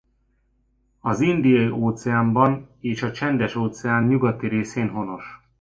Az Indiai-óceánban és a Csendes-óceán nyugati részén honos.